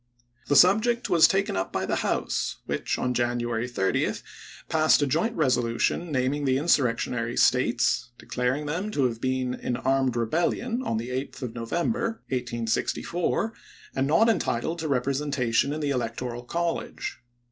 The subject was taken up by the House, which, on January 30, passed a joint resolution naming the insurrectionary States, declaring them to have been " in armed rebellion " on the 8th of November, 140 ABRAHAM LINCOLN chap. vii. 1864, and not entitled to representation in the elec j?iob3ed" ^oral college.